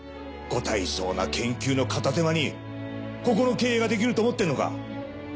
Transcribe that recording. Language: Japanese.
ご大層な研究の片手間にここの経営ができると思ってるのか？